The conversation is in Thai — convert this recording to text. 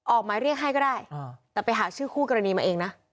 หมายเรียกให้ก็ได้แต่ไปหาชื่อคู่กรณีมาเองนะ